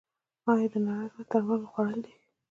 ایا د نري رنځ درمل مو خوړلي دي؟